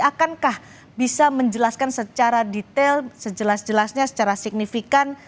akankah bisa menjelaskan secara detail sejelas jelasnya secara signifikan